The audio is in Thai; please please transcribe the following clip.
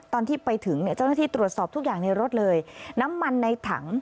ตอนที่ไปถึงเนี่ยเจ้าหน้าที่ตรวจสอบทุกอย่างในรถเลยน้ำมันในถัง